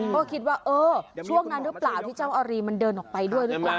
ก็คิดว่าเออช่วงนั้นหรือเปล่าที่เจ้าอารีมันเดินออกไปด้วยหรือเปล่า